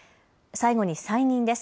最後に再任です。